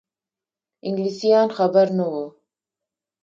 انګلیسیان خبر نه وه.